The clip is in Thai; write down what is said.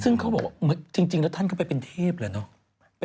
ซึ่งเขาบอกว่าจริงแล้วท่านก็ไปเป็นเทพเหรอเนอะ